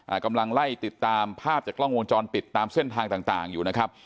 กำลังไล่ติดตามภาพจากกล้องวงจรปิดตามเส้นทางต่างต่างอยู่นะครับ